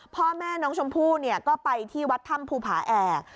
พ่อแม่น้องชมพู่ก็ไปที่วัดถ้ำภูผาแอก